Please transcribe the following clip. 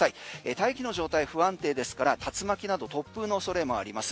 大気の状態不安定ですから竜巻など突風の恐れもあります。